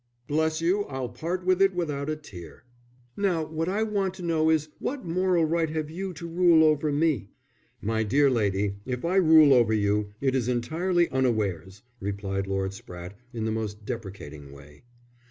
"Bless you, I'll part from it without a tear." "Now, what I want to know is what moral right have you to rule over me?" "My dear lady, if I rule over you it is entirely unawares," replied Lord Spratte, in the most deprecating way.